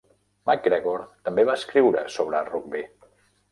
MacGregor també va escriure sobre rugbi.